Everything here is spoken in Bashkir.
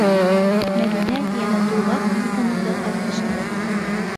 - Мәҙинә йәнә тулғаҡ ҡыҫымында тартышты.